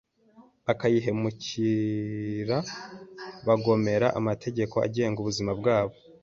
bakayihemukira bagomera amategeko agenga ubuzima bwabo.